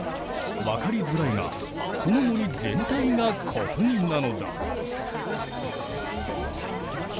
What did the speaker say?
分かりづらいがこの森全体が古墳なのだ。